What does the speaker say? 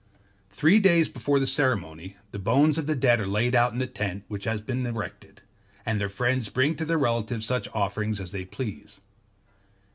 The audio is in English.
Three days before the ceremony, the bones of the dead are laid out in a tent which has been erected; and their friends bring to their relatives such offerings as they please.